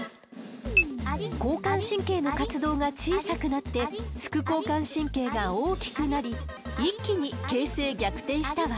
交感神経の活動が小さくなって副交感神経が大きくなり一気に形勢逆転したわ。